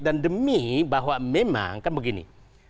dan demi bahwa memang kan begini